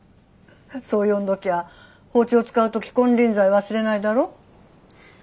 そう呼んどきゃ包丁使う時金輪際忘れないだろ。